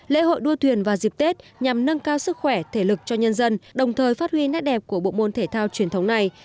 lễ hội đua thuyền vào dịp tết nhằm nâng cao sức khỏe thể lực cho nhân dân đồng thời phát huy nét đẹp của bộ môn thể thao truyền thống này